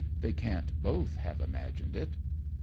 They can't both have imagined it."